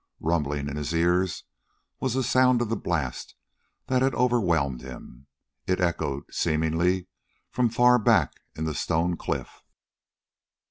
Rumbling in his ears was the sound of the blast that had overwhelmed him. It echoed, seemingly, from far back in the stone cliff.